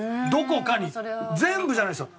全部じゃないですよ。